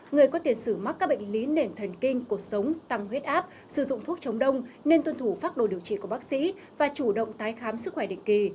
người có tiền sử mắc các bệnh lý nền thần kinh cuộc sống tăng huyết áp sử dụng thuốc chống đông nên tuân thủ phác đồ điều trị của bác sĩ và chủ động tái khám sức khỏe định kỳ